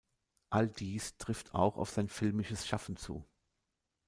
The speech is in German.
All dies trifft auch auf sein filmisches Schaffen zu.